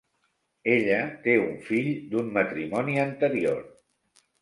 Ella té un fill d'un matrimoni anterior.